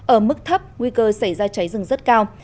ở mức thấp nguy cơ xảy ra cháy rừng rất cao